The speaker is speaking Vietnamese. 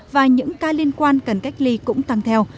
và những ca liên quan cần cách ly cũng tăng theo